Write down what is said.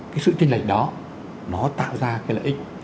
cái sự tranh lệch đó nó tạo ra cái lợi ích